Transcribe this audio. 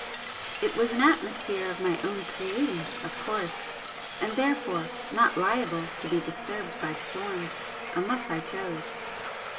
It was an atmosphere of my own creating, of course, and therefore not liable to be disturbed by storms unless I chose.